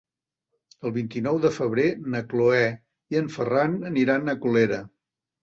El vint-i-nou de febrer na Cloè i en Ferran aniran a Colera.